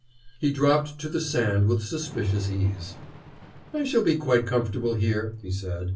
He dropped to the sand with suspicious ease. "I shall be quite comfortable here," he said.